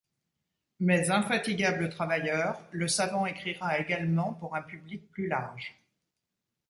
Mais, infatigable travailleur, le savant écrira également pour un public plus large.